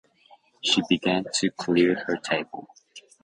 She began to clear her table.